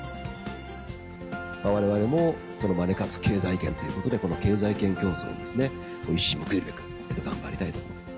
われわれもマネ活経済圏ということで、この経済圏競争に一矢報いるべく頑張りたいと。